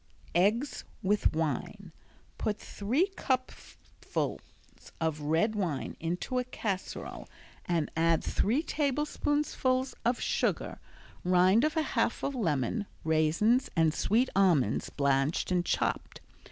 Eggs with Wine Put three cupfuls of red wine Into a casserole and add three tablespoonfuls of sugar, rind of half a lemon, raisins, and sweet almonds, blanched and chopped.